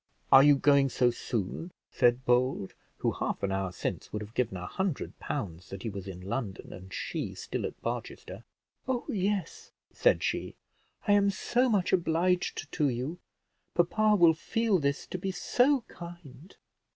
"Are you going so soon?" said Bold, who half an hour since would have given a hundred pounds that he was in London, and she still at Barchester. "Oh yes!" said she. "I am so much obliged to you; papa will feel this to be so kind."